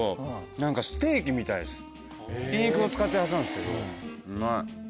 ひき肉を使ってるはずなんですけどうまい。